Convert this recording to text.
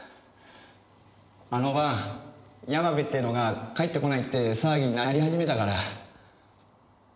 あの晩山部っていうのが帰ってこないって騒ぎになり始めたから。